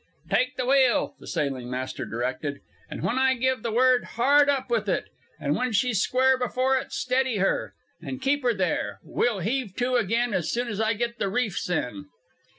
"Take the wheel!" the sailing master directed. "And when I give the word, hard up with it! And when she's square before it, steady her! And keep her there! We'll heave to again as soon as I get the reefs in!"